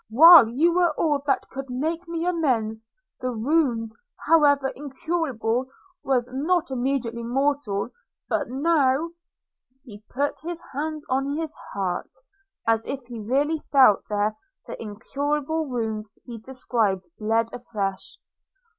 While you were all that could make me amends, the wound, however incurable, was not immediately mortal; but now –!' He put his hands on his heart, as if he really felt there the incurable wound he described bleed afresh.